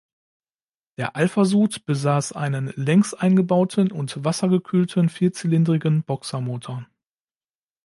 Der Alfasud besaß einen längs eingebauten und wassergekühlten vierzylindrigen Boxermotor.